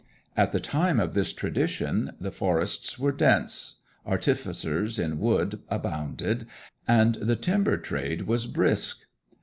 At the time of this tradition the forests were dense, artificers in wood abounded, and the timber trade was brisk.